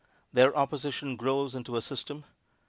Their opposition grows into a system.